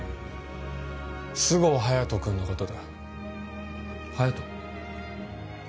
菅生隼人君のことだ隼人？